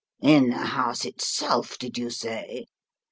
"In the house itself, did you say?"